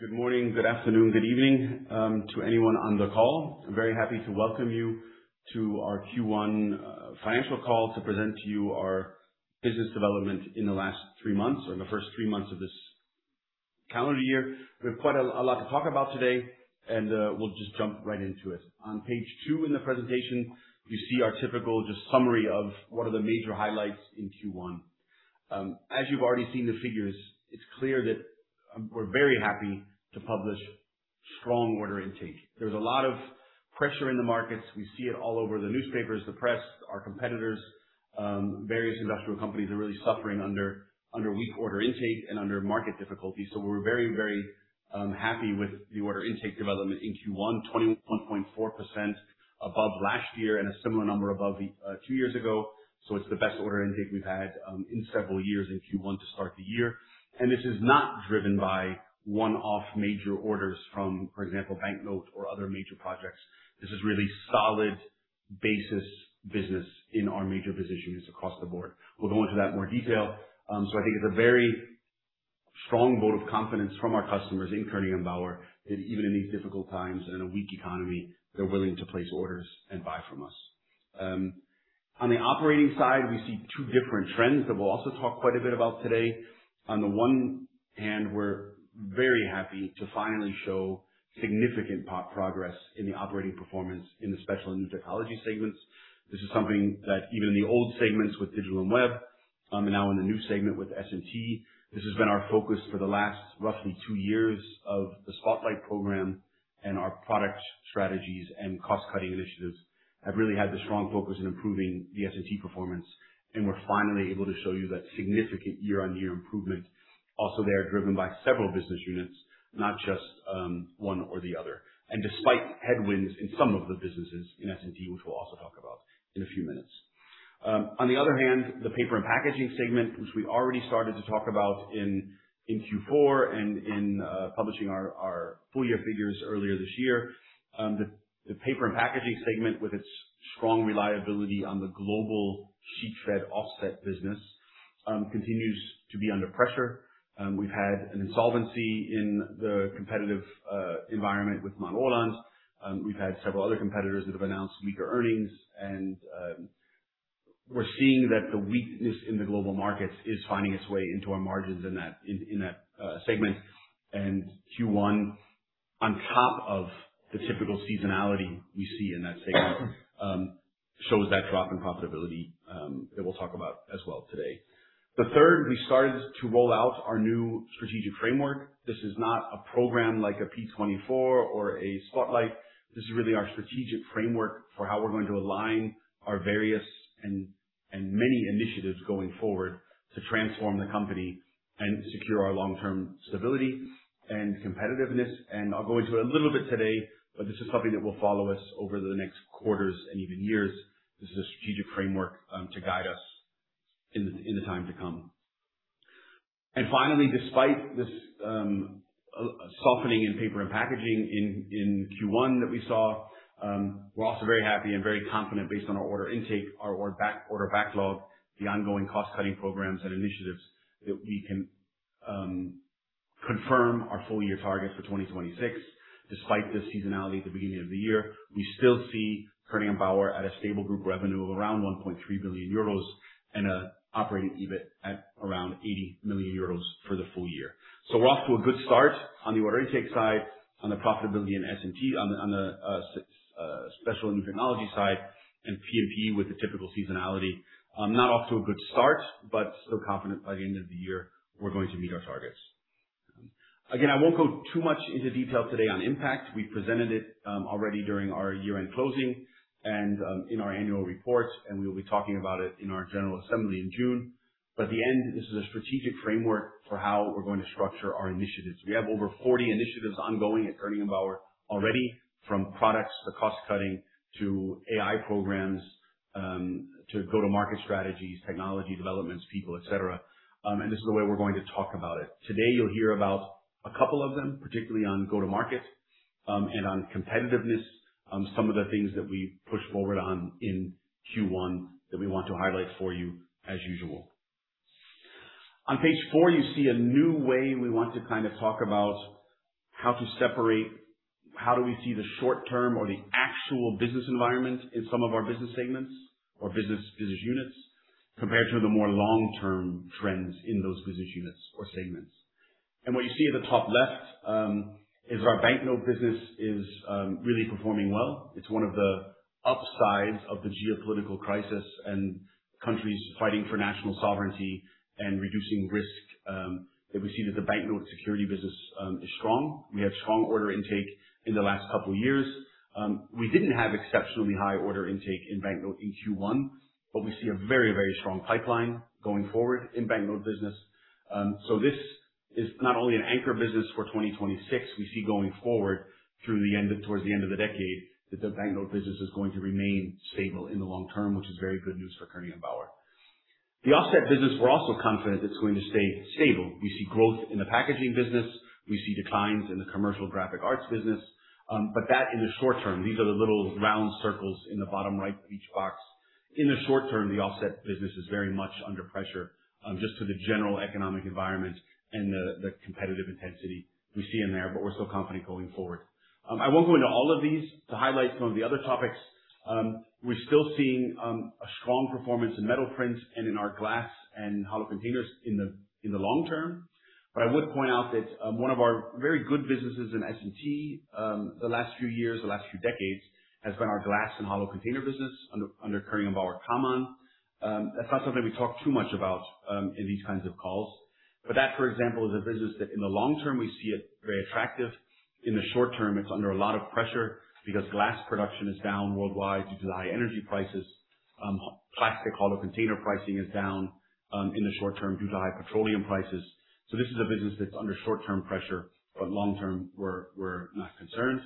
Good morning, good afternoon, good evening to anyone on the call. I'm very happy to welcome you to our Q1 financial call to present to you our business development in the last three months or in the first three months of this calendar year. We have quite a lot to talk about today. We'll just jump right into it. On page two in the presentation, you see our typical summary of what are the major highlights in Q1. As you've already seen the figures, it's clear that we're very happy to publish strong order intake. There's a lot of pressure in the markets. We see it all over the newspapers, the press, our competitors. Various industrial companies are really suffering under weak order intake and under market difficulties. We're very happy with the order intake development in Q1, 21.4% above last year and a similar number above two years ago. It's the best order intake we've had in several years in Q1 to start the year. This is not driven by one-off major orders from, for example, banknote or other major projects. This is really solid basis business in our major positions across the board. We'll go into that in more detail. I think it's a very strong vote of confidence from our customers in Koenig & Bauer, that even in these difficult times and in a weak economy, they're willing to place orders and buy from us. On the operating side, we see two different trends that we'll also talk quite a bit about today. On the one hand, we're very happy to finally show significant progress in the operating performance in the Special & New Technologies segments. This is something that even the old segments with Digital & Web and now in the new segment with S&T, this has been our focus for the last roughly two years of the Spotlight program. Our product strategies and cost-cutting initiatives have really had the strong focus on improving the S&T performance. We're finally able to show you that significant year-on-year improvement. Also there, driven by several business units, not just one or the other. Despite headwinds in some of the businesses in S&T, which we'll also talk about in a few minutes. On the other hand, the Paper and Packaging segment, which we already started to talk about in Q4 and in publishing our full-year figures earlier this year. The Paper and Packaging segment, with its strong reliability on the global sheet-fed offset business, continues to be under pressure. We've had an insolvency in the competitive environment with Manroland. We've had several other competitors that have announced weaker earnings. We're seeing that the weakness in the global markets is finding its way into our margins in that segment. Q1, on top of the typical seasonality we see in that segment, shows that drop in profitability that we'll talk about as well today. The third, we started to roll out our new strategic framework. This is not a program like a P24x or a Spotlight. This is really our strategic framework for how we're going to align our various and many initiatives going forward to transform the company and secure our long-term stability and competitiveness. I'll go into it a little bit today, but this is something that will follow us over the next quarters and even years. This is a strategic framework to guide us in the time to come. Finally, despite this softening in paper and packaging in Q1 that we saw, we're also very happy and very confident based on our order intake, our order backlog, the ongoing cost-cutting programs and initiatives that we can confirm our full-year targets for 2026. Despite the seasonality at the beginning of the year, we still see Koenig & Bauer at a stable group revenue of around 1.3 billion euros and an operating EBIT at around 80 million euros for the full year. We're off to a good start on the order intake side, on the profitability and S&T on the special and new technology side, and P&P with the typical seasonality. Not off to a good start, still confident by the end of the year we're going to meet our targets. I won't go too much into detail today on IMPACT. We presented it already during our year-end closing and in our annual reports, and we'll be talking about it in our general assembly in June. The end, this is a strategic framework for how we're going to structure our initiatives. We have over 40 initiatives ongoing at Koenig & Bauer already, from products to cost-cutting to AI programs, to go-to-market strategies, technology developments, people, et cetera. This is the way we're going to talk about it. Today, you'll hear about a couple of them, particularly on go-to-market and on competitiveness. Some of the things that we pushed forward on in Q1 that we want to highlight for you as usual. On page four, you see a new way we want to talk about how to separate, how do we see the short-term or the actual business environment in some of our business segments or business units, compared to the more long-term trends in those business units or segments. What you see at the top left is our banknote business is really performing well. It's one of the upsides of the geopolitical crisis and countries fighting for national sovereignty and reducing risk, that we see that the banknote security business is strong. We had strong order intake in the last couple of years. We didn't have exceptionally high order intake in banknote in Q1, but we see a very strong pipeline going forward in banknote business. This is not only an anchor business for 2026, we see going forward towards the end of the decade, that the banknote business is going to remain stable in the long term, which is very good news for Koenig & Bauer. The offset business, we're also confident it's going to stay stable. We see growth in the packaging business. We see declines in the commercial graphic arts business, that in the short term. These are the little round circles in the bottom right of each box. In the short term, the offset business is very much under pressure, just due to the general economic environment and the competitive intensity we see in there. We're still confident going forward. I won't go into all of these. To highlight some of the other topics, we're still seeing a strong performance in MetalPrint and in our glass and hollow containers in the long term. I would point out that one of our very good businesses in S&T, the last few years, the last few decades, has been our glass and hollow container business under Koenig & Bauer Kammann. That's not something we talk too much about in these kinds of calls. That, for example, is a business that in the long term, we see it very attractive. In the short term, it's under a lot of pressure because glass production is down worldwide due to the high energy prices. Plastic hollow container pricing is down, in the short term due to high petroleum prices. This is a business that's under short-term pressure, but long term, we're not concerned.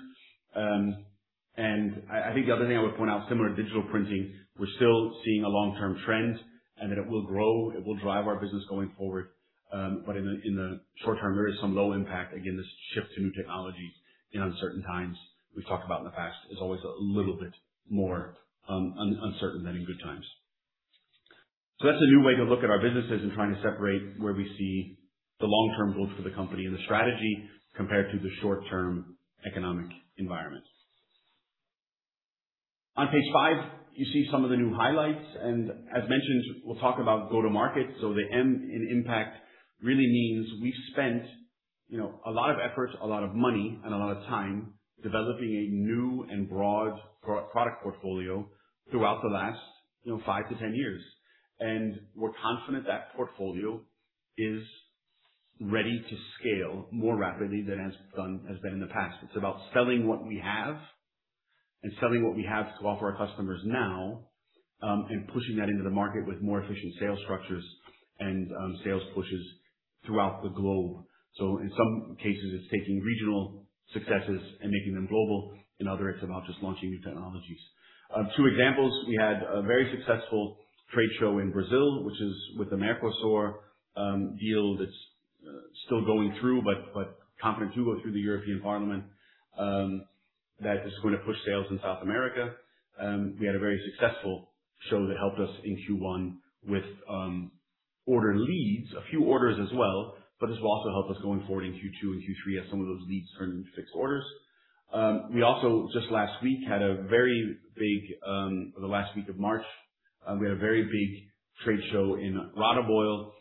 I think the other thing I would point out, similar to digital printing, we're still seeing a long-term trend and that it will grow, it will drive our business going forward. In the short term, there is some low impact. Again, this shift to new technology in uncertain times, we've talked about in the past, is always a little bit more uncertain than in good times. That's a new way to look at our businesses and trying to separate where we see the long-term goals for the company and the strategy compared to the short-term economic environment. On page five, you see some of the new highlights, as mentioned, we'll talk about go to market. The M in IMPACT really means we've spent a lot of effort, a lot of money, and a lot of time developing a new and broad product portfolio throughout the last five to 10 years. We're confident that portfolio is ready to scale more rapidly than has been in the past. It's about selling what we have and selling what we have to offer our customers now, pushing that into the market with more efficient sales structures and sales pushes throughout the globe. In some cases, it's taking regional successes and making them global. In others, it's about just launching new technologies. Two examples. We had a very successful trade show in Brazil, which is with the Mercosur deal that's still going through, but confident to go through the European Parliament, that is going to push sales in South America. We had a very successful show that helped us in Q1 with order leads, a few orders as well, but this will also help us going forward in Q2 and Q3 as some of those leads turn into fixed orders. We also just The last week of March, we had a very big trade show in Rotoboil,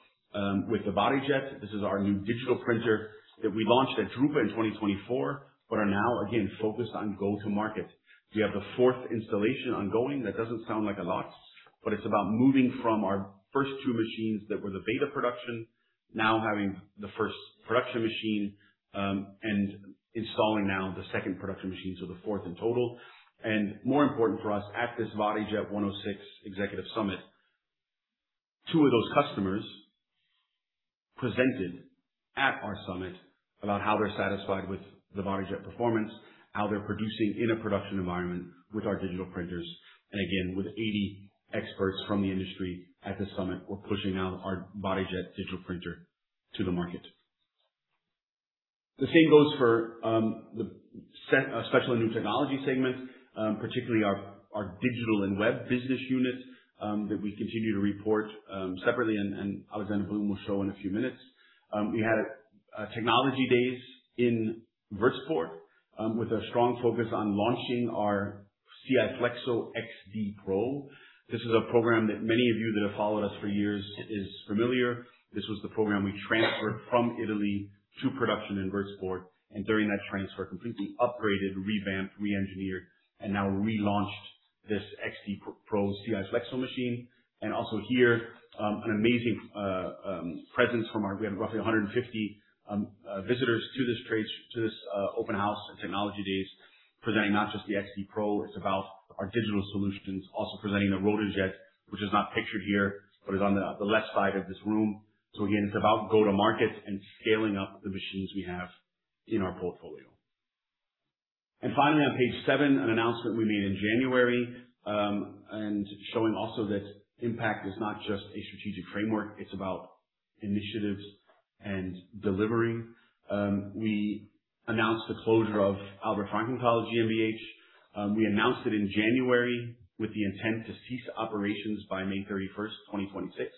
with the VariJET. This is our new digital printer that we launched at drupa in 2024, but are now again focused on go to market. We have the fourth installation ongoing. That doesn't sound like a lot, but it's about moving from our first two machines that were the beta production, now having the first production machine, and installing now the second production machine. The fourth in total. More important for us, at this VariJET 106 Executive Summit, two of those customers presented at our summit about how they're satisfied with the VariJET performance, how they're producing in a production environment with our digital printers. Again, with 80 experts from the industry at this summit, we're pushing out our VariJET digital printer to the market. The same goes for the Special and New Technology segment, particularly our Digital & Web business unit that we continue to report separately, Alexander Blum will show in a few minutes. We had technology days in Würzburg, with a strong focus on launching our CI Flexo XD Pro. This is a program that many of you that have followed us for years is familiar. This was the program we transferred from Italy to production in Würzburg, and during that transfer, completely upgraded, revamped, re-engineered, and now relaunched this XD Pro CI Flexo machine. Also here, an amazing presence from our we had roughly 150 visitors to this open house and technology days presenting not just the XD Pro, it's about our digital solutions. Also presenting the RotaJET, which is not pictured here, but is on the left side of this room. Again, it's about go to market and scaling up the machines we have in our portfolio. Finally, on page seven, an announcement we made in January, and showing also that IMPACT is not just a strategic framework, it's about initiatives and delivering. We announced the closure of Albert-Frankenthal GmbH. We announced it in January with the intent to cease operations by May 31st, 2026.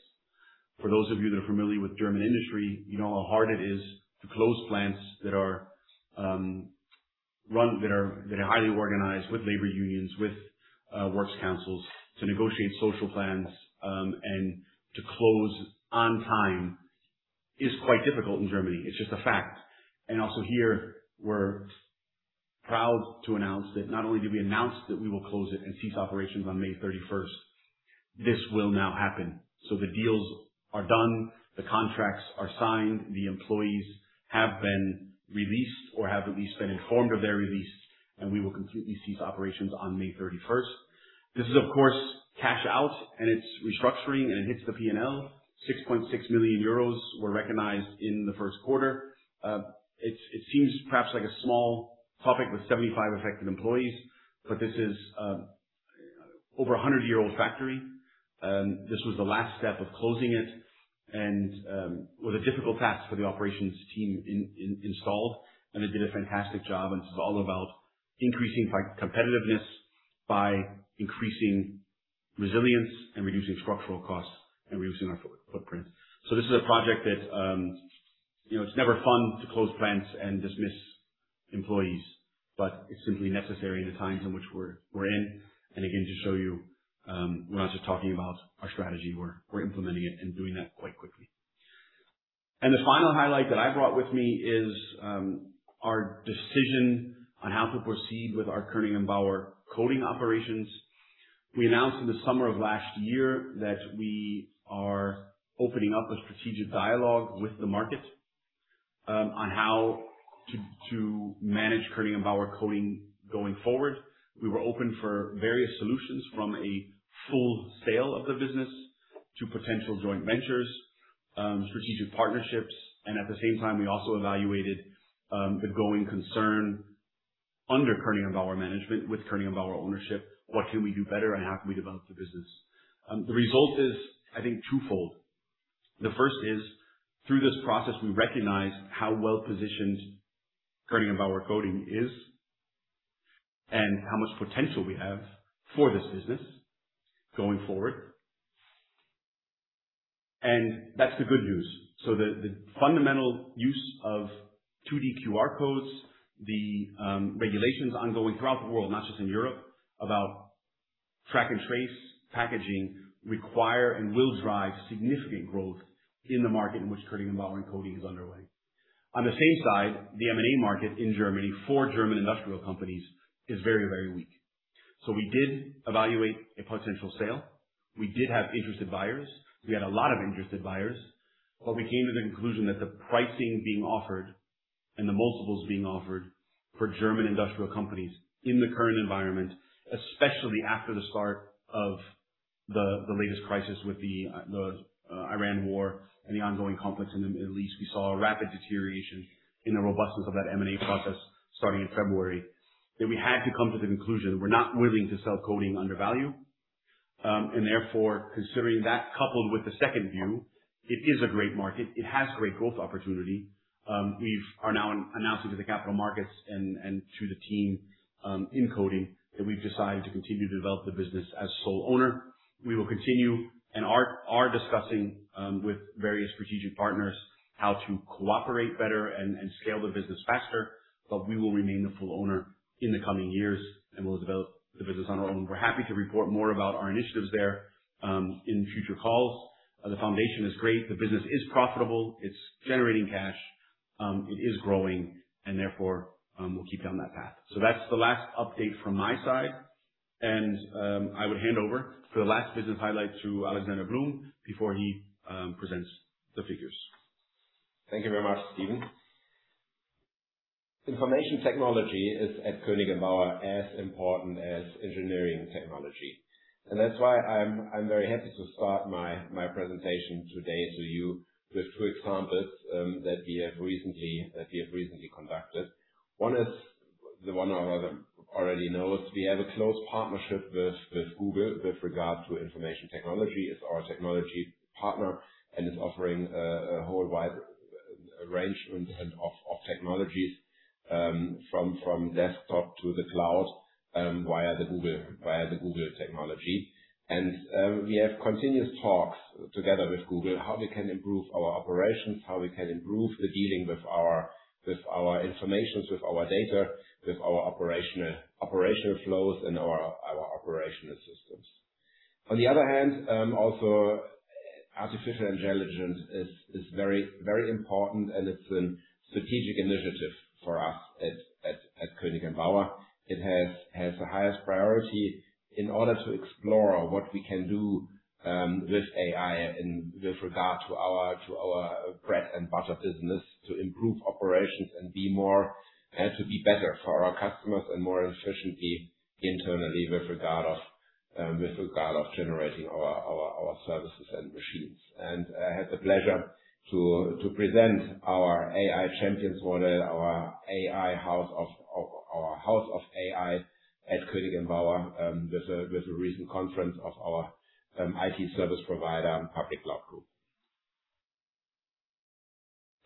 For those of you that are familiar with German industry, you know how hard it is to close plants that are highly organized with labor unions, with works councils, to negotiate social plans, and to close on time is quite difficult in Germany. It's just a fact. Also here, we're proud to announce that not only did we announce that we will close it and cease operations on May 31st, this will now happen. The deals are done, the contracts are signed, the employees have been released or have at least been informed of their release, and we will completely cease operations on May 31st. This is, of course, cash out and it's restructuring and it hits the P&L. 6.6 million euros were recognized in the first quarter. It seems perhaps like a small topic with 75 affected employees, but this is over a 100-year-old factory. This was the last step of closing it, and was a difficult task for the operations team installed, and they did a fantastic job. This is all about increasing competitiveness by increasing resilience and reducing structural costs and reducing our footprint. This is a project that, it's never fun to close plants and dismiss employees, but it's simply necessary in the times in which we're in. Again, to show you, we're not just talking about our strategy, we're implementing it and doing that quite quickly. The final highlight that I brought with me is our decision on how to proceed with our Koenig & Bauer coating operations. We announced in the summer of last year that we are opening up a strategic dialogue with the market, on how to manage Koenig & Bauer Coding going forward. We were open for various solutions, from a full sale of the business to potential joint ventures, strategic partnerships, and at the same time, we also evaluated the growing concern under Koenig & Bauer management with Koenig & Bauer ownership, what can we do better and how can we develop the business. The result is, I think, twofold. The first is, through this process, we recognized how well-positioned Koenig & Bauer Coding is and how much potential we have for this business going forward. That's the good news. The fundamental use of 2D QR codes, the regulations ongoing throughout the world, not just in Europe, about track and trace packaging require and will drive significant growth in the market in which Koenig & Bauer Coding is underway. On the same side, the M&A market in Germany for German industrial companies is very weak. We did evaluate a potential sale. We did have interested buyers. We had a lot of interested buyers. We came to the conclusion that the pricing being offered and the multiples being offered for German industrial companies in the current environment, especially after the start of the latest crisis with the Iran war and the ongoing conflict in the Middle East, we saw a rapid deterioration in the robustness of that M&A process starting in February, that we had to come to the conclusion we're not willing to sell Coding under value. Therefore, considering that coupled with the second view, it is a great market. It has great growth opportunity. We are now announcing to the capital markets and through the team in Coding that we've decided to continue to develop the business as sole owner. We will continue and are discussing with various strategic partners how to cooperate better and scale the business faster, we will remain the full owner in the coming years and will develop the business on our own. We're happy to report more about our initiatives there in future calls. The foundation is great. The business is profitable, it's generating cash, it is growing, therefore, we'll keep down that path. That's the last update from my side, and I would hand over for the last business highlight to Alexander Blum before he presents the figures. Thank you very much, Stephen. Information technology is at Koenig & Bauer as important as engineering technology. That's why I'm very happy to start my presentation today to you with two examples that we have recently conducted. One is the one already knows. We have a close partnership with Google with regard to information technology as our technology partner, and is offering a whole wide arrangement of technologies from desktop to the cloud via the Google technology. We have continuous talks together with Google how we can improve our operations, how we can improve the dealing with our information, with our data, with our operational flows and our operational systems. On the other hand, also artificial intelligence is very important and it's a strategic initiative for us at Koenig & Bauer. It has the highest priority in order to explore what we can do with AI with regard to our bread and butter business to improve operations and to be better for our customers and more efficiently internally with regard of generating our services and machines. I had the pleasure to present our AI champions model, our House of AI at Koenig & Bauer, with a recent conference of our IT service provider, Public Cloud Group.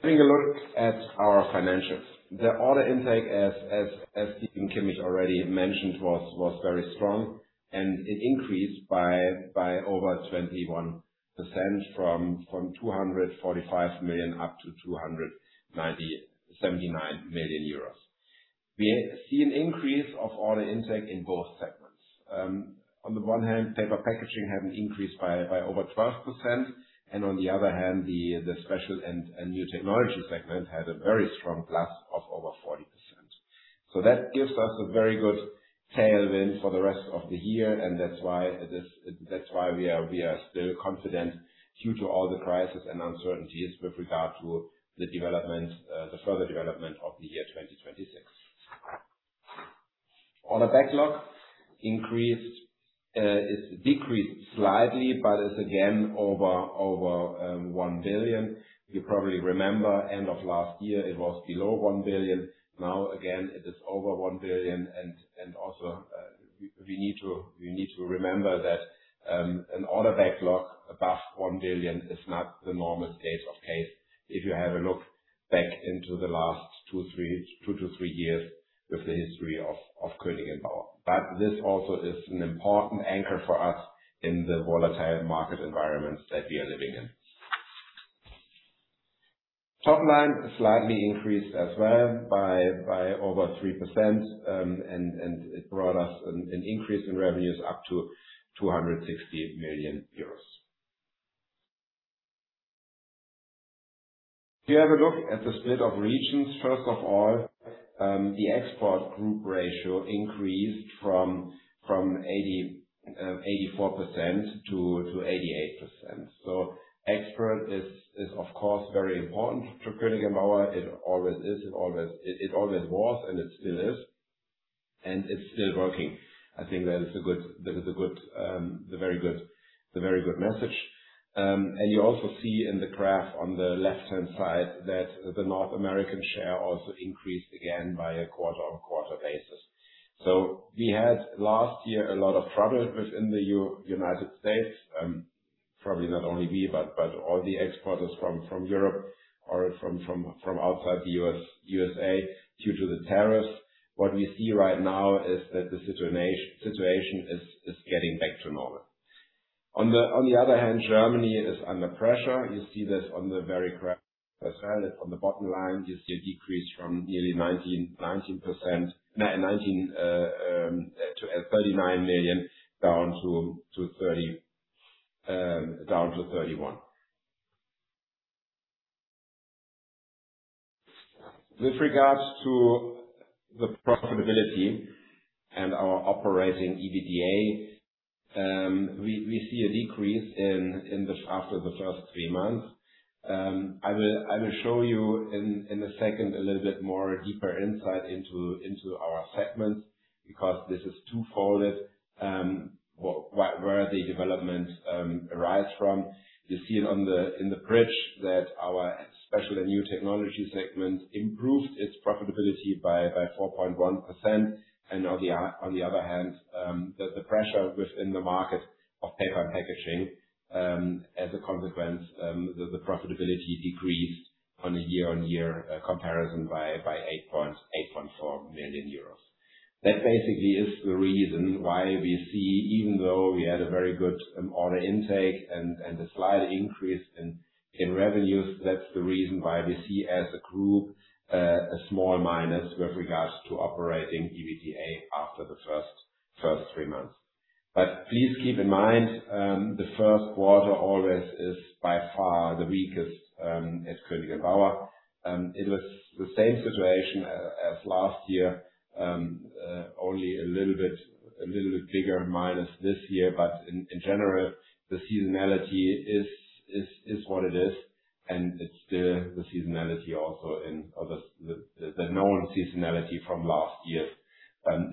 Taking a look at our financials. The order intake as Stephen Kimmich already mentioned, was very strong and it increased by over 21% from 245 million up to 279 million euros. We see an increase of order intake in both segments. On the one hand, paper packaging had an increase by over 12%, and on the other hand, the Special & New Technologies segment had a very strong plus of over 40%. That gives us a very good tailwind for the rest of the year and that's why we are still confident due to all the crisis and uncertainties with regard to the further development of the year 2026. Order backlog decreased slightly, but it's again over 1 billion. You probably remember end of last year it was below 1 billion. Now again, it is over 1 billion and also we need to remember that an order backlog above 1 billion is not the normal state of case. If you have a look back into the last 2 to 3 years with the history of Koenig & Bauer. This also is an important anchor for us in the volatile market environment that we are living in. Top line slightly increased as well by over 3%, and it brought us an increase in revenues up to 260 million euros. If you have a look at the split of regions, first of all, the export group ratio increased from 84% to 88%. Export is of course very important to Koenig & Bauer. It always is, it always was, and it still is, and it's still working. I think that is a very good message. You also see in the graph on the left-hand side that the North American share also increased again by a quarter-on-quarter basis. We had last year a lot of trouble within the U.S. Probably not only we, but all the exporters from Europe or from outside the USA due to the tariffs. What we see right now is that the situation is getting back to normal. On the other hand, Germany is under pressure. You see this on the very graph as well. On the bottom line, you see a decrease from nearly EUR 39 million down to 31 million. With regards to the profitability and our operating EBITDA, we see a decrease after the first three months. I will show you in a second, a little bit more deeper insight into our segments, because this is two-folded, where the developments arise from. You see it in the bridge that our Special & New Technologies segment improved its profitability by 4.1%. On the other hand, the pressure within the market of Paper & Packaging, as a consequence, the profitability decreased on a year-on-year comparison by 8.4 million euros. That basically is the reason why we see, even though we had a very good order intake and a slight increase in revenues, that's the reason why we see as a group a small minus with regards to operating EBITDA after the first three months. Please keep in mind, the first quarter always is by far the weakest at Koenig & Bauer. It was the same situation as last year, only a little bit bigger minus this year. In general, the seasonality is what it is, and it's still the seasonality also in or the known seasonality from last year.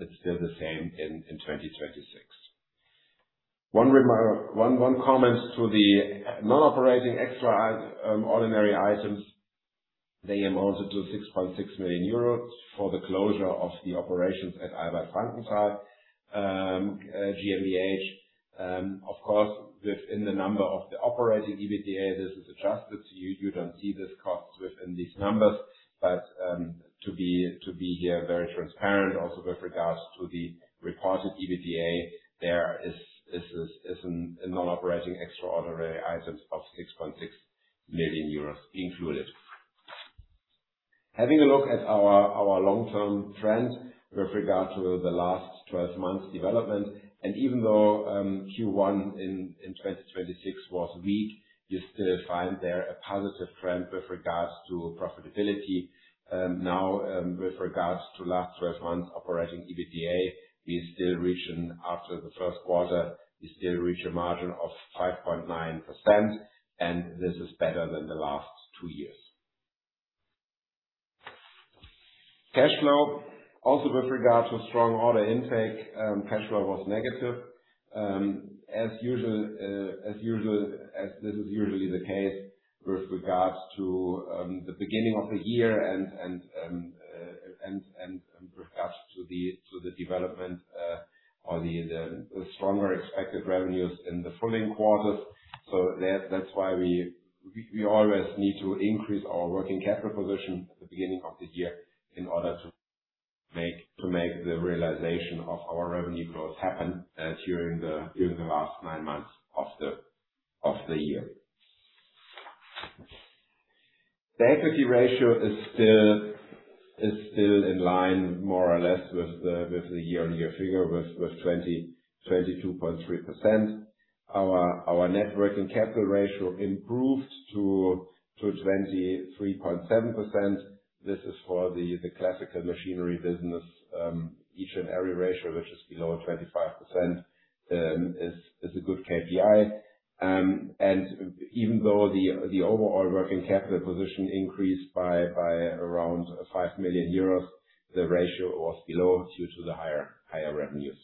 It's still the same in 2026. One comment to the non-operating extraordinary items. They amounted to 6.6 million euros for the closure of the operations at Albert-Frankenthal GmbH. Of course, within the number of the operating EBITDA, this is adjusted, so you don't see these costs within these numbers. To be here very transparent also with regards to the reported EBITDA, there is a non-operating extraordinary items of 6.6 million euros included. Having a look at our long-term trend with regard to the last 12 months development, even though Q1 in 2026 was weak, you still find there a positive trend with regards to profitability. With regards to last 12 months operating EBITDA, we still reach a margin of 5.9%, and this is better than the last two years. Cash flow, also with regard to strong order intake, cash flow was negative. As this is usually the case with regards to the beginning of the year and with regards to the development of the stronger expected revenues in the following quarters. That's why we always need to increase our working capital position at the beginning of the year in order to make the realization of our revenue growth happen during the last nine months of the year. The equity ratio is still in line more or less with the year-on-year figure with 22.3%. Our net working capital ratio improved to 23.7%. This is for the classical machinery business. Each and every ratio which is below 25% is a good KPI. Even though the overall working capital position increased by around 5 million euros, the ratio was below due to the higher revenues.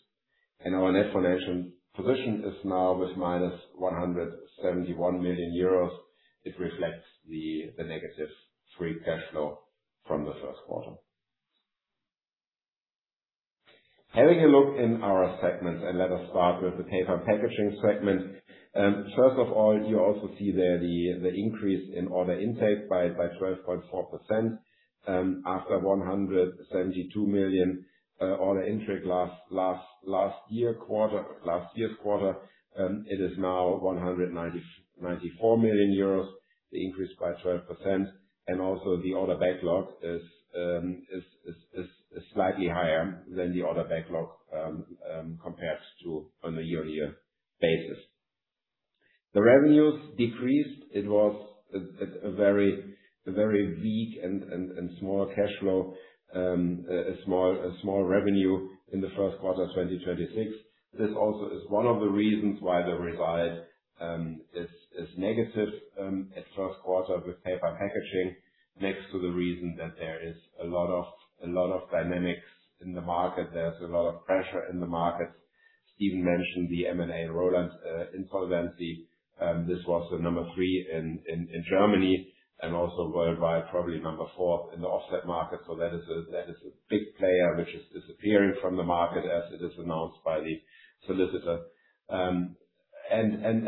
Our net financial position is now with minus 171 million euros. It reflects the negative free cash flow from the first quarter. Having a look in our segments, let us start with the Paper & Packaging segment. First of all, you also see there the increase in order intake by 12.4%. After 172 million order intake last year's quarter, it is now 194 million euros, the increase by 12%. The order backlog is slightly higher than the order backlog, compared to on a year-on-year basis. The revenues decreased. It was a very weak and small cash flow. A small revenue in the first quarter of 2026. This also is one of the reasons why the result is negative at first quarter with paper and packaging, next to the reason that there is a lot of dynamics in the market. There is a lot of pressure in the markets. Stephen mentioned the Manroland insolvency. This was the number 3 in Germany and also worldwide, probably number 4 in the offset market. That is a big player which is disappearing from the market as it is announced by the solicitor.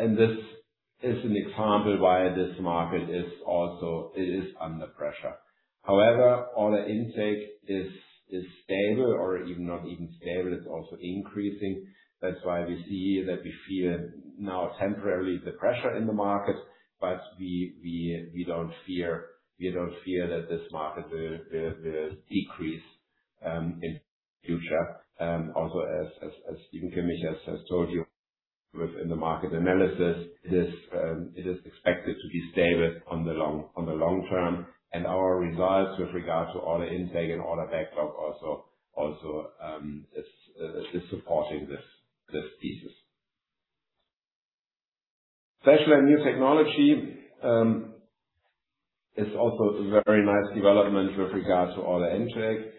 This is an example why this market is under pressure. However, order intake is stable or even not even stable, it is also increasing. That is why we see that we feel now temporarily the pressure in the market. We don't fear that this market will decrease in future. As Stephen Kimmich has told you within the market analysis, it is expected to be stable on the long term and our results with regard to order intake and order backlog also is supporting this thesis. Special & New Technologies. A very nice development with regards to order intake,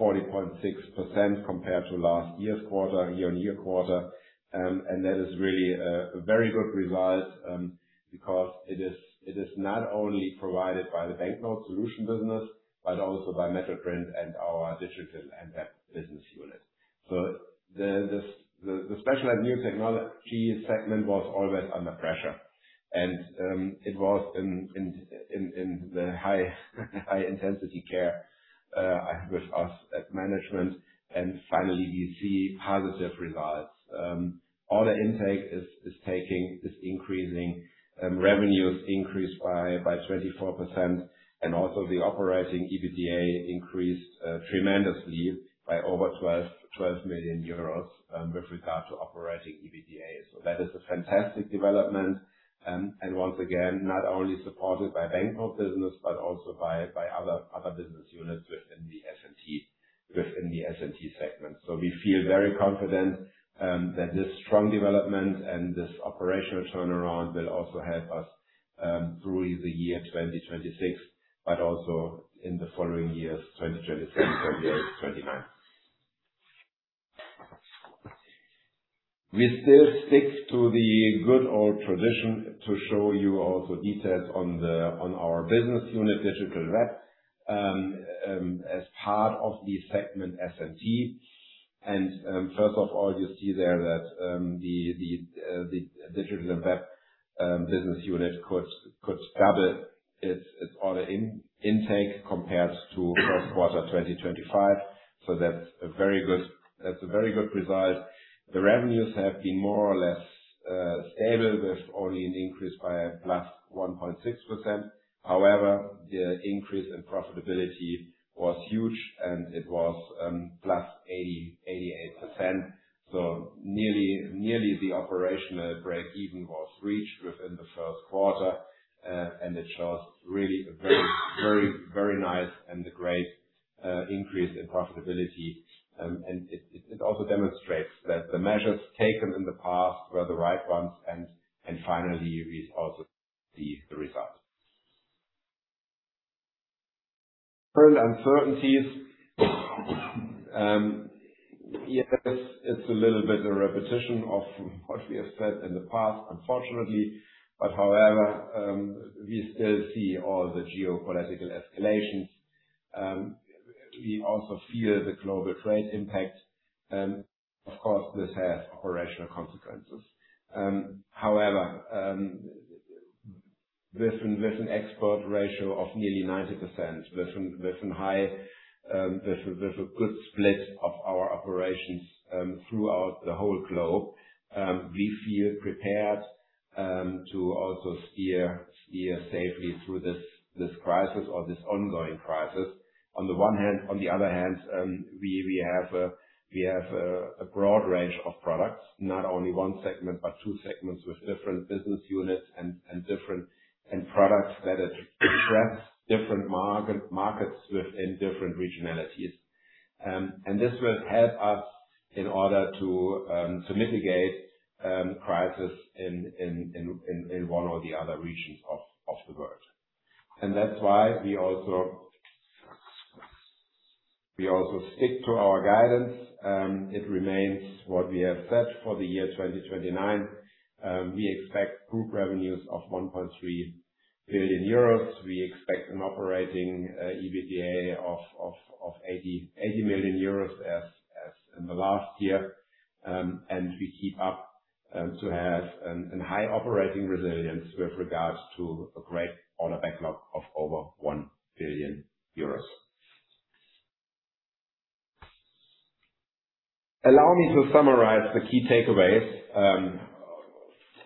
+40.6% compared to last year's quarter, year-on-year quarter. That is really a very good result, because it is not only provided by the banknote solution business, but also by MetalPrint and our Digital & Web business unit. The Special & New Technologies segment was always under pressure and it was in the high intensity care with us at management. Finally, we see positive results. Order intake is increasing, revenues increased by 24%. The operating EBITDA increased tremendously by over 12 million euros, with regard to operating EBITDA. That is a fantastic development. Once again, not only supported by banknote business, but also by other business units within the S&T segment. We feel very confident that this strong development and this operational turnaround will also help us through the year 2026, but also in the following years, 2027, 2028, 2029. We still stick to the good old tradition to show you also details on our business unit, Digital & Web, as part of the segment S&T. First of all, you see there that the Digital & Web business unit could double its order intake compared to first quarter 2025. That is a very good result. The revenues have been more or less stable with only an increase by +1.6%. However, the increase in profitability was huge, +88%. Nearly the operational breakeven was reached within the first quarter. It shows really a very nice and great increase in profitability. It also demonstrates that the measures taken in the past were the right ones and finally we also see the results. Current uncertainties. Yes, it is a little bit a repetition of what we have said in the past, unfortunately. However, we still see all the geopolitical escalations. We feel the global trade impact. Of course, this has operational consequences. However, with an export ratio of nearly 90%, with a good split of our operations throughout the whole globe, we feel prepared to also steer safely through this crisis or this ongoing crisis. On the one hand. On the other hand, we have a broad range of products, not only one segment, but two segments with different business units and products that address different markets within different regionalities. This will help us in order to mitigate crisis in one or the other regions of the world. That is why we also stick to our guidance. It remains what we have said for the year 2029. We expect group revenues of 1.3 billion euros. We expect an operating EBITDA of 80 million euros as in the last year. We keep up to have a high operating resilience with regards to a great order backlog of over 1 billion euros. Allow me to summarize the key takeaways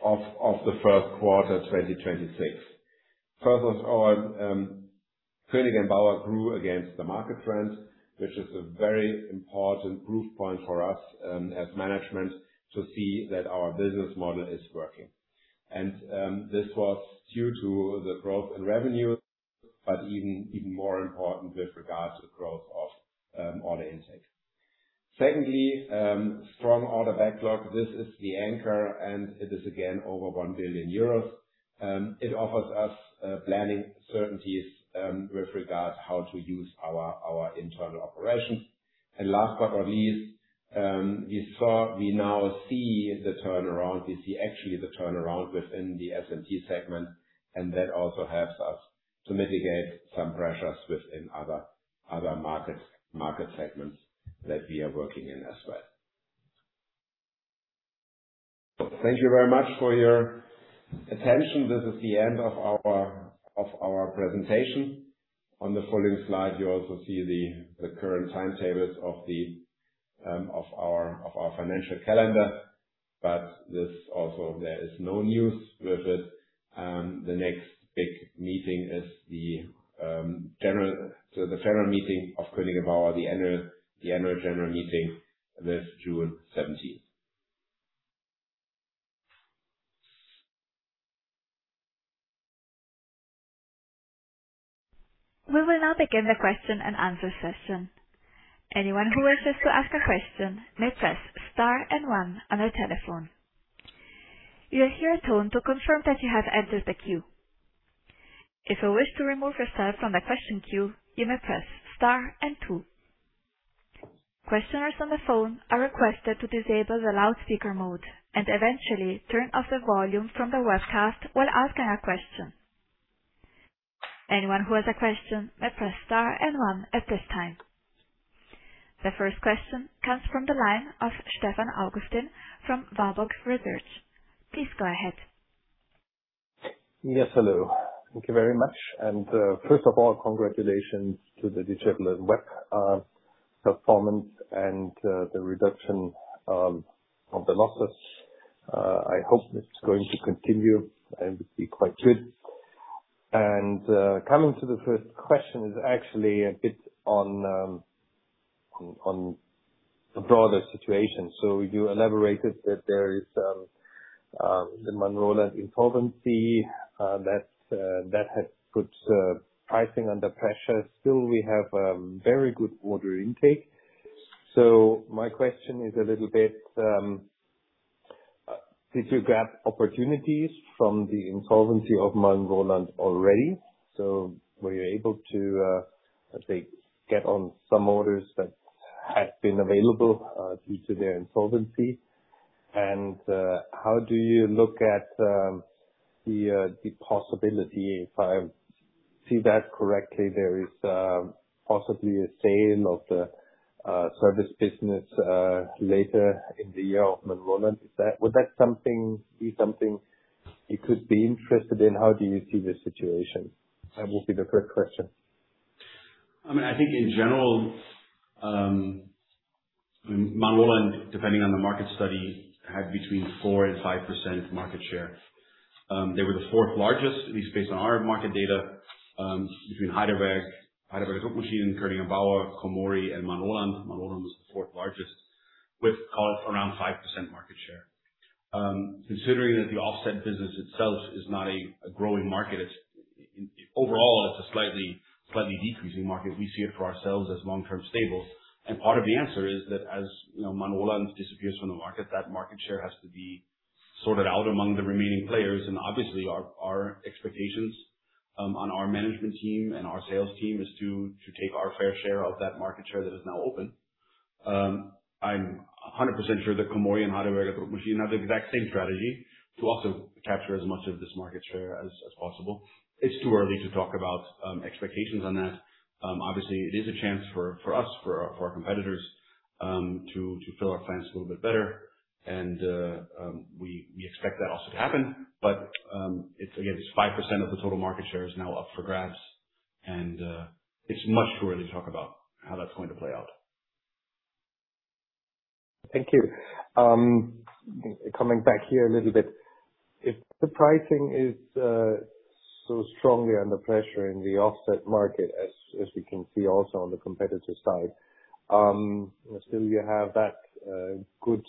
of the first quarter 2026. First of all, Koenig & Bauer grew against the market trend, which is a very important proof point for us as management to see that our business model is working. This was due to the growth in revenue, but even more important with regards to growth of order intake. Secondly, strong order backlog. This is the anchor, it is again over 1 billion euros. It offers us planning certainties with regards how to use our internal operations. Last but not least, we now see the turnaround. We see actually the turnaround within the S&T segment, that also helps us to mitigate some pressures within other market segments that we are working in as well. Thank you very much for your attention. This is the end of our presentation. On the following slide, you also see the current timetables of our financial calendar, there is no news with it. The next big meeting is the general meeting of Koenig & Bauer, the annual general meeting, this June 17th. We will now begin the question and answer session. Anyone who wishes to ask a question may press star and one on their telephone. You will hear a tone to confirm that you have entered the queue. If you wish to remove yourself from the question queue, you may press Star and two. Questioners on the phone are requested to disable the loudspeaker mode and eventually turn off the volume from the webcast while asking a question. Anyone who has a question may press star and one at this time. The first question comes from the line of Stefan Augustin from Warburg Research. Please go ahead. Yes, hello. Thank you very much. First of all, congratulations to the Digital & Web performance and the reduction of the losses. I hope that's going to continue and be quite good. Coming to the first question is actually a bit on the broader situation. You elaborated that there is the Manroland insolvency that has put pricing under pressure. Still, we have very good order intake. My question is a little bit, did you grab opportunities from the insolvency of Manroland already? Were you able to, let's say, get on some orders that had been available due to their insolvency? How do you look at the possibility, if I see that correctly, there is possibly a sale of the service business later in the year of Manroland. Would that be something you could be interested in? How do you see the situation? That will be the first question. I think in general, Manroland, depending on the market study, had between 4% and 5% market share. They were the fourth largest, at least based on our market data, between Heidelberg, Heidelberger Druckmaschinen, Koenig & Bauer, Komori, and Manroland. Manroland was the fourth largest with around 5% market share. Considering that the offset business itself is not a growing market, overall it's a slightly decreasing market. We see it for ourselves as long-term stable. Part of the answer is that as Manroland disappears from the market, that market share has to be sorted out among the remaining players. Obviously our expectations on our management team and our sales team is to take our fair share of that market share that is now open. I'm 100% sure that Komori and Heidelberger Druckmaschinen have the exact same strategy to also capture as much of this market share as possible. It's too early to talk about expectations on that. Obviously, it is a chance for us, for our competitors, to fill our plants a little bit better. We expect that also to happen. Again, it's 5% of the total market share is now up for grabs, and it's much too early to talk about how that's going to play out. Thank you. Coming back here a little bit. If the pricing is so strongly under pressure in the offset market, as we can see also on the competitor side, still you have that good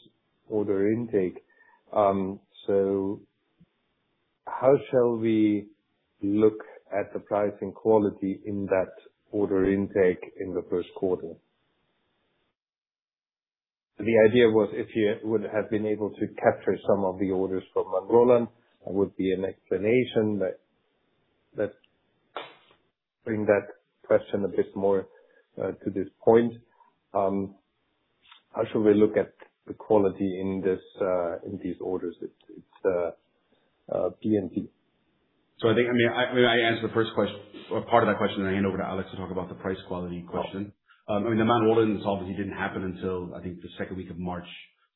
order intake. How shall we look at the pricing quality in that order intake in the first quarter? The idea was if you would have been able to capture some of the orders from Manroland, that would be an explanation. Let's bring that question a bit more to this point. How should we look at the quality in these orders? It's the P&P. I think I answered the first part of that question, and I hand over to Alex to talk about the price quality question. The Manroland obviously didn't happen until, I think, the second week of March,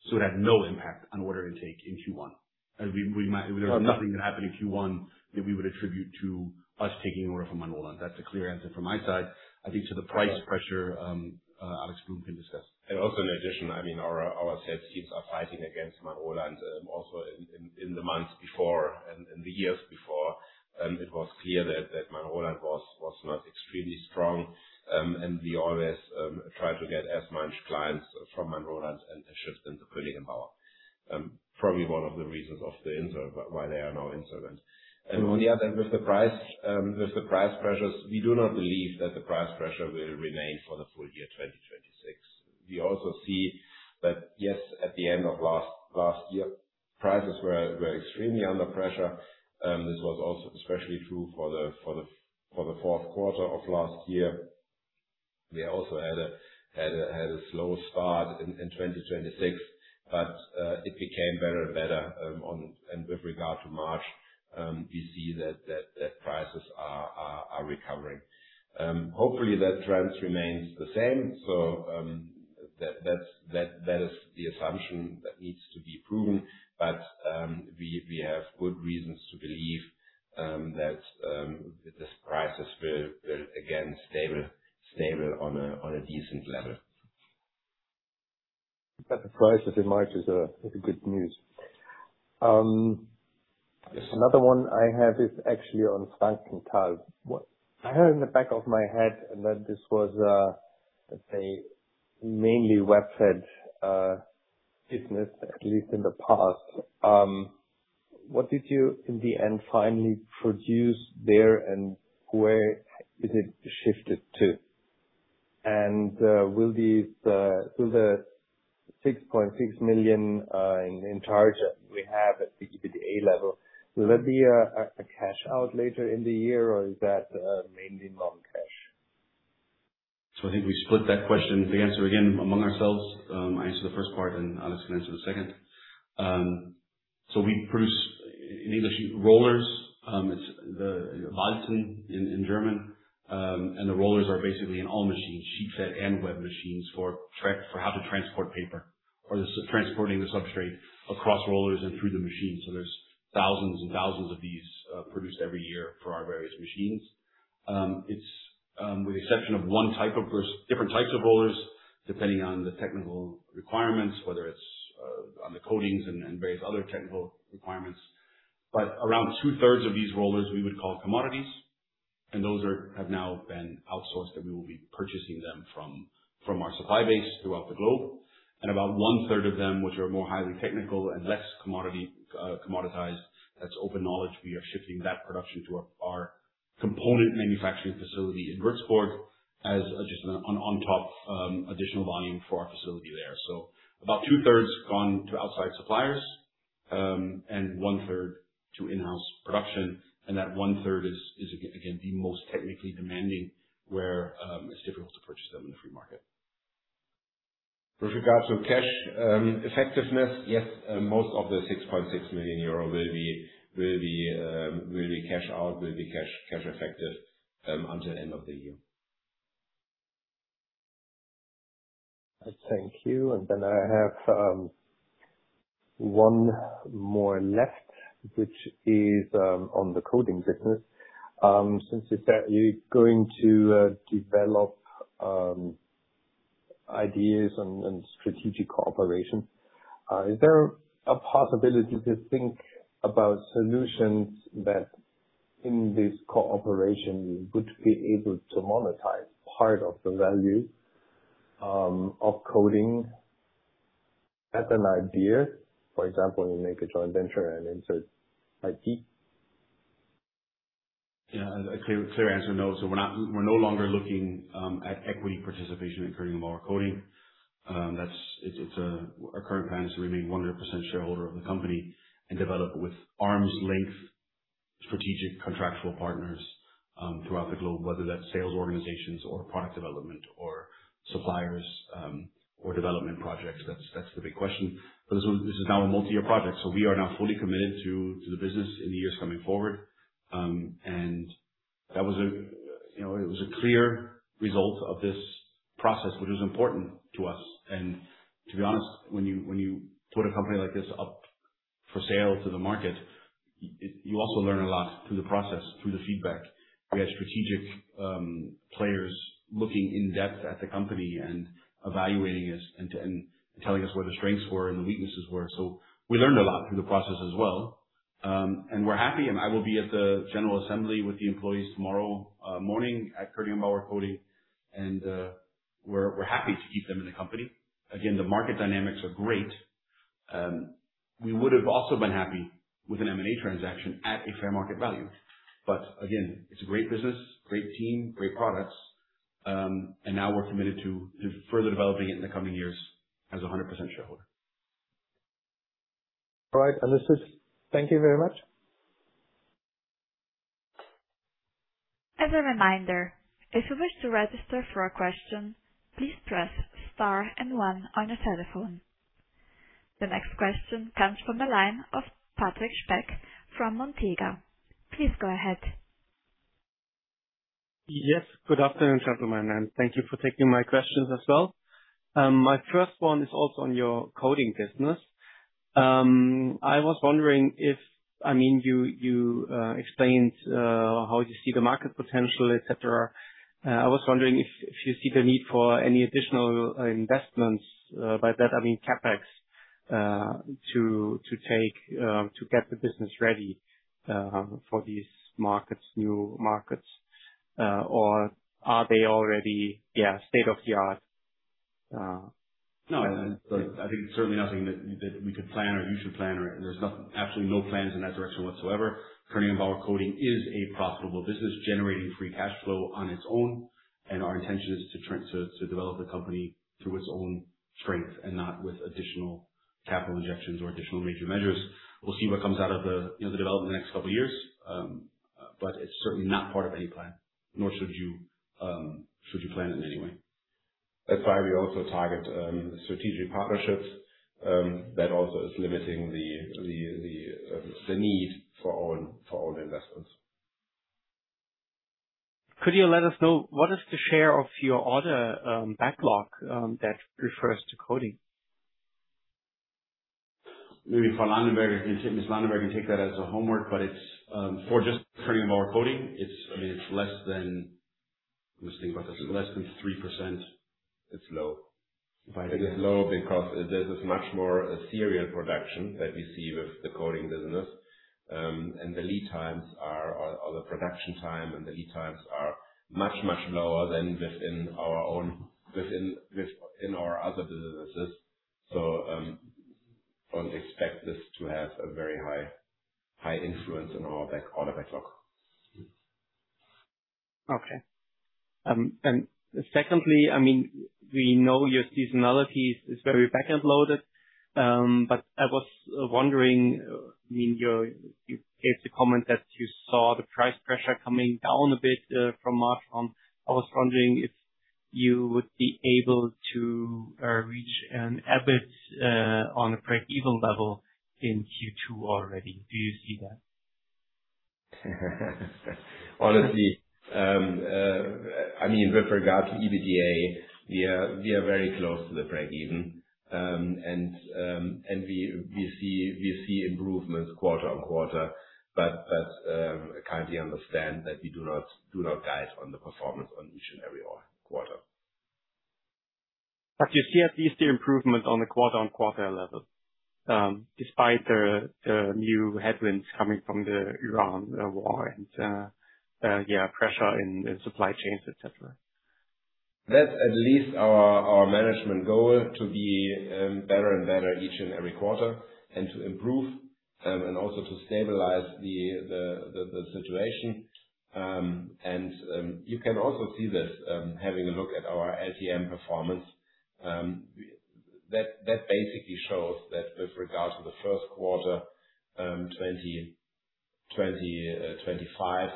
so it had no impact on order intake in Q1. There was nothing that happened in Q1 that we would attribute to us taking an order from Manroland. That's a clear answer from my side. I think to the price pressure, Alex Grunberg can discuss. Also, in addition, our sales teams are fighting against Manroland. Also, in the months before and the years before, it was clear that Manroland was not extremely strong. We always try to get as much clients from Manroland and shift them to Koenig & Bauer. Probably one of the reasons why they are now insolvent. On the other, with the price pressures, we do not believe that the price pressure will remain for the full year 2026. We also see that, yes, at the end of last year, prices were extremely under pressure. This was also especially true for the fourth quarter of last year. We also had a slow start in 2026, it became better and better. With regard to March, we see that prices are recovering. Hopefully, that trend remains the same. That is the assumption that needs to be proven, we have good reasons to believe that these prices will again stable on a decent level. The prices in March is a good news. Yes. Another one I have is actually on Frankenthal. What I had in the back of my head that this was a, let's say, mainly web-fed business, at least in the past. What did you in the end finally produce there, and where is it shifted to? Will the 6.6 million in charge that we have at the EBITDA level, will there be a cash out later in the year, or is that mainly non-cash? I think we split that question, the answer, again, among ourselves. I answer the first part, Alex can answer the second. We produce, in English, rollers. It's the Walzen in German. The rollers are basically in all machines, sheet fed and web machines, for how to transport paper or transporting the substrate across rollers and through the machine. There's thousands and thousands of these produced every year for our various machines. With the exception of type 1, there's different types of rollers, depending on the technical requirements, whether it's on the coatings and various other technical requirements. Around two-thirds of these rollers we would call commodities, and those have now been outsourced, and we will be purchasing them from our supply base throughout the globe. About one-third of them, which are more highly technical and less commoditized, that's open knowledge, we are shifting that production to our component manufacturing facility in Würzburg as just an on-top additional volume for our facility there. About two-thirds gone to outside suppliers, and one-third to in-house production, and that one-third is, again, the most technically demanding, where it's difficult to purchase them in the free market. With regards to cash effectiveness, yes, most of the 6.6 million euro will be cash out, will be cash effective until end of the year. Thank you. I have one more left, which is on the Coding business. Since you're going to develop ideas and strategic cooperation, is there a possibility to think about solutions that in this cooperation you could be able to monetize part of the value of Coding as an idea? For example, you make a joint venture and insert IP. Yeah. A clear answer, no. We're no longer looking at equity participation in Koenig & Bauer Coding. Our current plan is to remain 100% shareholder of the company and develop with arm's length strategic contractual partners throughout the globe, whether that's sales organizations or product development or suppliers or development projects. That's the big question. This is now a multi-year project, we are now fully committed to the business in the years coming forward. That was a clear result of this process, which was important to us. To be honest, when you put a company like this up for sale to the market, you also learn a lot through the process, through the feedback. We had strategic players looking in-depth at the company and evaluating us and telling us where the strengths were and the weaknesses were. We learned a lot through the process as well. We're happy, I will be at the general assembly with the employees tomorrow morning at Koenig & Bauer Coding, we're happy to keep them in the company. Again, the market dynamics are great. We would have also been happy with an M&A transaction at a fair market value. Again, it's a great business, great team, great products, and now we're committed to further developing it in the coming years as 100% shareholder. All right. Thank you very much. As a reminder, if you wish to register for a question, please press Star and One on your telephone. The next question comes from the line of Patrick Speck from Montega. Please go ahead. Yes. Good afternoon, gentlemen. Thank you for taking my questions as well. My first one is also on your Coding business. I was wondering if you explained how you see the market potential, et cetera. I was wondering if you see the need for any additional investments. By that I mean CapEx, to get the business ready for these new markets, or are they already state-of-the-art? No, I think it's certainly nothing that we could plan or you should plan or there's absolutely no plans in that direction whatsoever. Koenig & Bauer Coding is a profitable business, generating free cash flow on its own. Our intention is to develop the company through its own strength and not with additional capital injections or additional major measures. We'll see what comes out of the development in the next couple of years, but it's certainly not part of any plan, nor should you plan in any way. That's why we also target strategic partnerships. That also is limiting the need for own investments. Could you let us know what is the share of your order backlog that refers to coding? Maybe for Ms. Landenberg can take that as a homework, but it's for just turning our coding. It's less than 3%. It's low. It is low because this is much more a serial production that we see with the coding business. The lead times or the production time and the lead times are much, much lower than within our other businesses. Don't expect this to have a very high influence on our backlog. Okay. Secondly, we know your seasonality is very back-end loaded, but I was wondering, you gave the comment that you saw the price pressure coming down a bit from March on. I was wondering if you would be able to reach an EBIT on a break-even level in Q2 already. Do you see that? Honestly, with regard to EBITDA, we are very close to the break-even. We see improvements quarter-on-quarter. Kindly understand that we do not guide on the performance on each and every quarter. You see at least the improvement on the quarter-on-quarter level, despite the new headwinds coming from the Iran war and pressure in supply chains, et cetera. That's at least our management goal, to be better and better each and every quarter and to improve and also to stabilize the situation. You can also see this, having a look at our LTM performance. That basically shows that with regard to the first quarter 2025,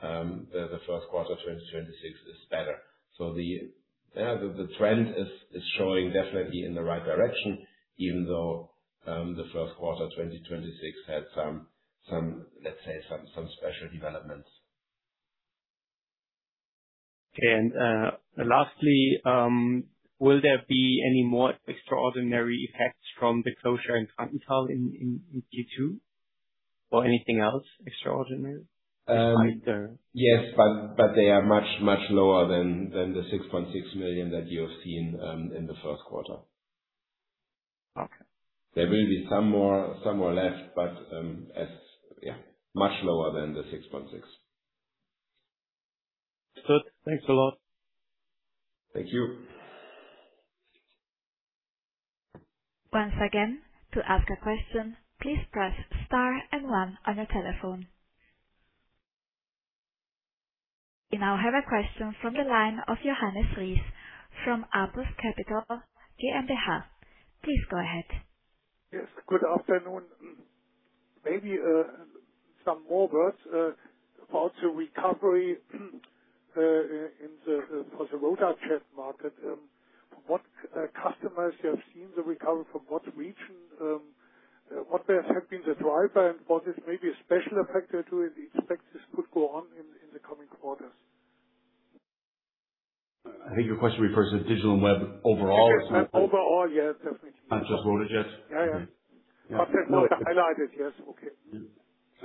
the first quarter 2026 is better. The trend is showing definitely in the right direction, even though the first quarter 2026 had some, let's say, some special developments. Okay. Lastly, will there be any more extraordinary effects from the closure in Frankenthal in Q2? Or anything else extraordinary besides the? Yes, they are much, much lower than the 6.6 million that you have seen in the first quarter. Okay. There will be some more left, much lower than the 6.6. Good. Thanks a lot. Thank you. Once again, to ask a question, please press Star and One on your telephone. We now have a question from the line of Johannes Rees from Apus Capital GmbH. Please go ahead. Yes, good afternoon. Maybe some more words about the recovery for the RotaJET market. From what customers you have seen the recovery, from what region, what else have been the driver, and what is maybe a special effect there, too? Do you expect this could go on in the coming quarters? I think your question refers to Digital & Web overall, is that? Overall, yes, definitely. Not just RotaJET? Yeah. After it was highlighted. Yes. Okay.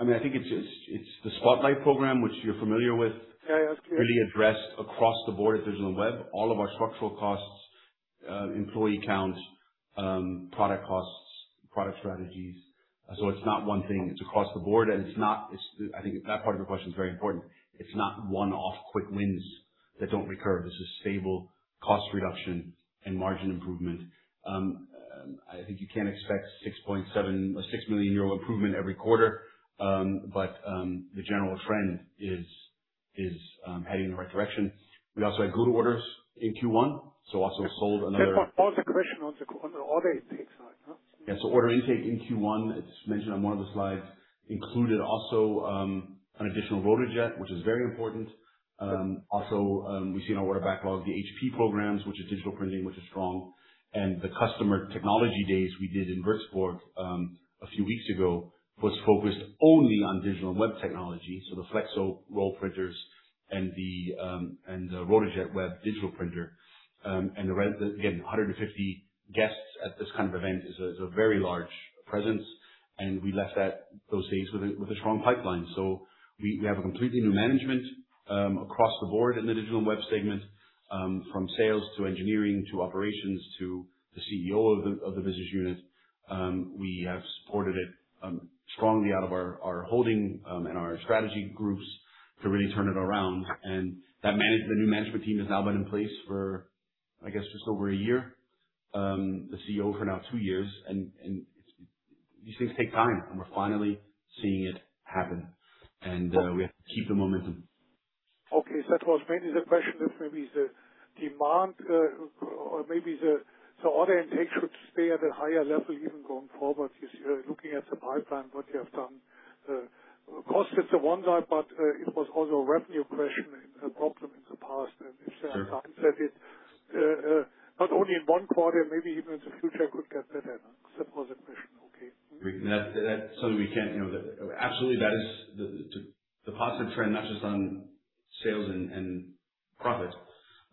I think it's the Spotlight program, which you're familiar with. Yeah. That's clear. really addressed across the board at Digital & Web, all of our structural costs, employee count, product costs, product strategies. It's not one thing, it's across the board, and I think that part of your question is very important. It's not one-off quick wins that don't recur. This is stable cost reduction and margin improvement. I think you can expect 6.7 million or 6 million euro improvement every quarter, the general trend is heading in the right direction. We also had good orders in Q1, also sold another- That was the question on the order intake side, no? Yes. Order intake in Q1, as mentioned on one of the slides, included also an additional RotaJET, which is very important. Also, we've seen our order backlog, the HP programs, which is digital printing, which is strong. The customer technology days we did in Würzburg a few weeks ago was focused only on digital web technology. The Flexo roll printers and the RotaJET web digital printer. Again, 150 guests at this kind of event is a very large presence, and we left those days with a strong pipeline. We have a completely new management, across the board in the Digital & Web segment, from sales to engineering to operations to the CEO of the business unit. We have supported it strongly out of our holding and our strategy groups to really turn it around. The new management team has now been in place for, I guess, just over a year. The CEO for now two years. These things take time, and we're finally seeing it happen. We have to keep the momentum. Okay. That was mainly the question, if maybe the demand or maybe the order intake should stay at a higher level even going forward. Looking at the pipeline, what you have done. Cost is the one side, but it was also a revenue question and a problem in the past. Sure. If there are signs that it, not only in one quarter, maybe even in the future, it could get better. That was the question. Okay. Absolutely. The positive trend, not just on sales and profit,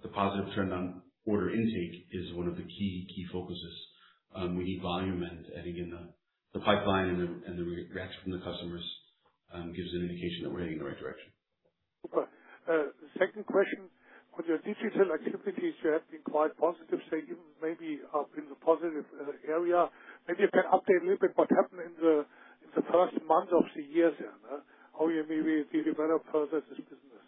the positive trend on order intake is one of the key focuses. We need volume and adding in the pipeline and the reaction from the customers gives an indication that we're heading in the right direction. Super. Second question. On your digital activities, you have been quite positive, saying even maybe up in the positive area. Maybe you can update a little bit what happened in the first month of the year then. How you maybe further develop this business.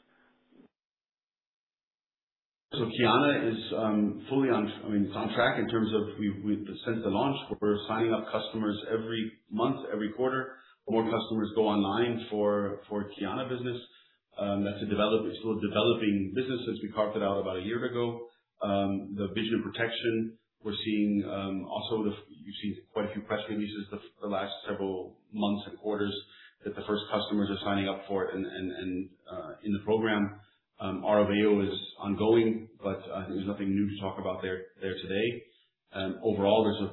Kyana is on track in terms of since the launch, we're signing up customers every month, every quarter. More customers go online for Kyana business. That's a developing business that we carved out about a year ago. The Vision & Protection, you've seen quite a few press releases the last several months and quarters that the first customers are signing up for it and in the program. Arveo is ongoing, but there's nothing new to talk about there today. There's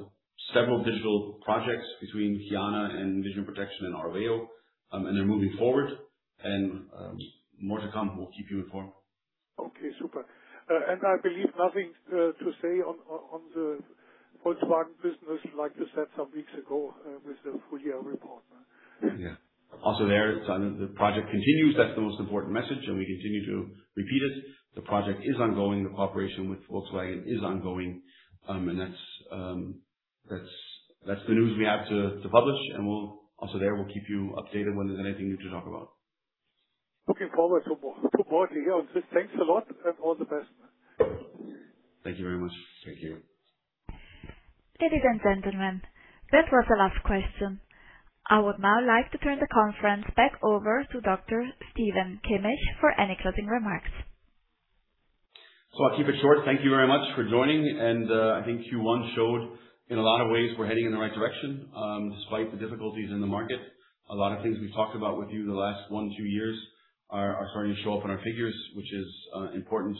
several digital projects between Kyana and Vision & Protection and Arveo, and they're moving forward. More to come. We'll keep you informed. Okay, super. I believe nothing to say on the Volkswagen business like you said some weeks ago with the full year report. Yeah. Also there, the project continues. That's the most important message, and we continue to repeat it. The project is ongoing. The cooperation with Volkswagen is ongoing. That's the news we have to publish, and also there, we'll keep you updated when there's anything new to talk about. Looking forward to more to hear on this. Thanks a lot, and all the best. Thank you very much. Thank you. Ladies and gentlemen, that was the last question. I would now like to turn the conference back over to Dr. Stephen Kimmich for any closing remarks. I'll keep it short. Thank you very much for joining. I think Q1 showed, in a lot of ways, we're heading in the right direction, despite the difficulties in the market. A lot of things we've talked about with you the last one, two years are starting to show up in our figures, which is important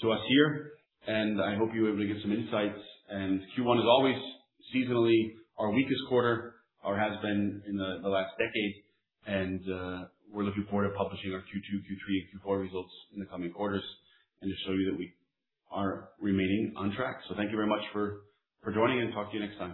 to us here. I hope you were able to get some insights. Q1 is always seasonally our weakest quarter, or has been in the last decade. We're looking forward to publishing our Q2, Q3, Q4 results in the coming quarters and to show you that we are remaining on track. Thank you very much for joining, and talk to you next time.